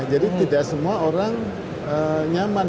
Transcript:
jadi tidak semua orang nyaman